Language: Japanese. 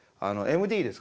ＭＤです。